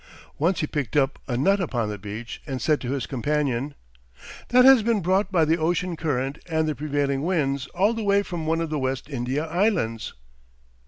Once he picked up a nut upon the beach, and said to his companion: "That has been brought by the ocean current and the prevailing winds all the way from one of the West India Islands."